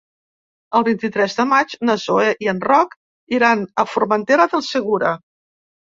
El vint-i-tres de maig na Zoè i en Roc iran a Formentera del Segura.